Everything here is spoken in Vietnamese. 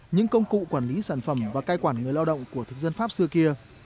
những công cụ quản lý sản phẩm và cai quản người lao động của thực dân pháp xưa kia